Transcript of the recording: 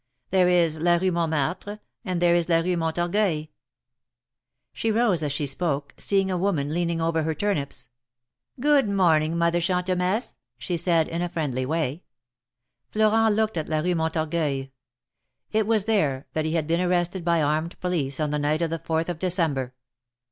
There is la Rue Montmartre, and there ^ la Rue Montorgueil." She rose ^ she spoke, seeing a woman leaning over her turnips, ^^Good morning, Mother Chantemesse," she said, in a friendly way, Florex^t looked la Rue Montorgueil. It was there that he had been arrested by armed police on the night of the 4th of December.